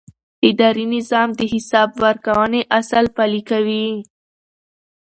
اداري نظام د حساب ورکونې اصل پلي کوي.